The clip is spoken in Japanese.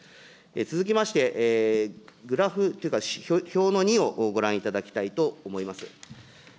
続きまして、グラフというか、表の２をご覧いただきたいと思います。